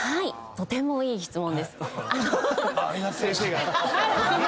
とてもいい質問！